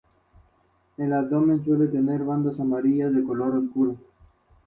Hoy en día es una de las firmas de arquitectura más grandes del mundo.